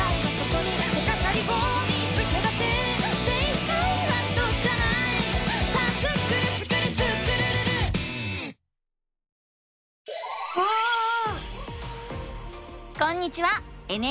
こんにちは！